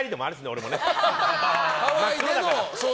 俺もね。